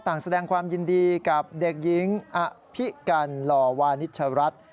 ต่างแสดงความยินดีกับเด็กหญิงอภิกัลหล่อวานิชรัฐ